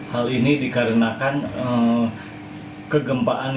hal ini dikarenakan kegempaan